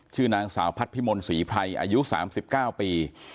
ชื่อนางสาวพัดพิมลศรีไพรอายุ๓๙ปี